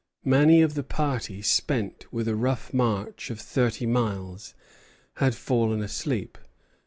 Many of the party, spent with a rough march of thirty miles, had fallen asleep.